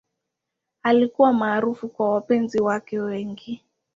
Alikuwa maarufu kwa wapenzi wake wengi.